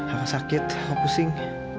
aku sakit aku pusing